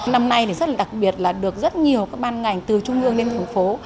năm nay rất là đặc biệt là được rất nhiều các ban ngành từ trung ương đến thủ phố